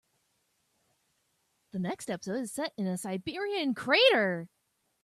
The next episode is set in a Siberian crater.